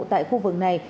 tại khu vực này